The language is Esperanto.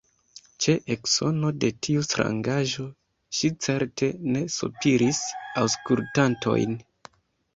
Ĉe eksono de tiu strangaĵo ŝi certe ne sopiris aŭskultantojn.